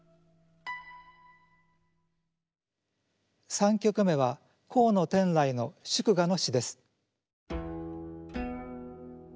３曲目は河野天籟の祝賀の詞です。